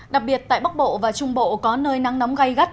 đặc biệt tại bắc bộ và trung bộ có nơi nắng nóng gây gắt